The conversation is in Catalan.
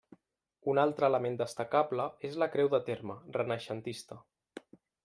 Un altre element destacable és la creu de terme, renaixentista.